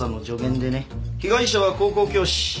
被害者は高校教師。